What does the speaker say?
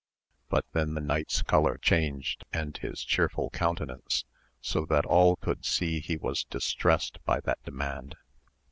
But then the knight's colour changed and his chearful countenance, so that all could see he was distressed by that demand.